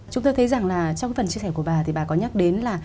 chúng tôi thấy rằng là trong phần chia sẻ của bà thì bà có nhắc đến là